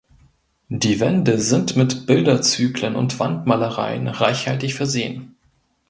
Die Wände sind mit Bilderzyklen und Wandmalereien reichhaltig versehen.